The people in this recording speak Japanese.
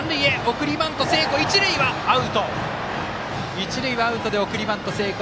一塁はアウトで送りバント成功。